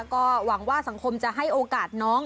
ก็หวังว่าสังคมจะให้โอกาสน้อง